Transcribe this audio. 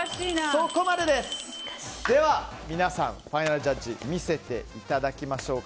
では、皆さんファイナルジャッジ見せていただきましょうか。